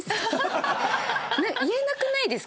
言えなくないですか？